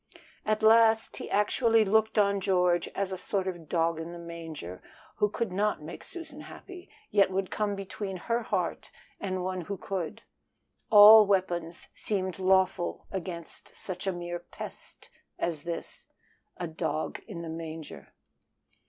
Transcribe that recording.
At last he actually looked on George as a sort of dog in the manger, who could not make Susan happy, yet would come between her heart and one who could. All weapons seemed lawful against such a mere pest as this a dog in the manger.